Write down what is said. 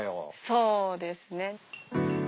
そうですね。